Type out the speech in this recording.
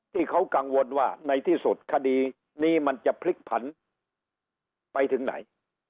ที่เขากังวลว่าในที่สุดคดีนี้มันจะพลิกผันไปถึงไหน